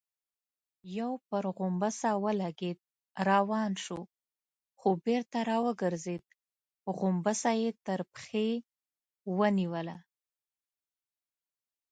يو پر غومبسه ولګېد، روان شو، خو بېرته راوګرځېد، غومبسه يې تر پښې ونيوله.